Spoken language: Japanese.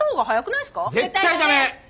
絶対ダメ！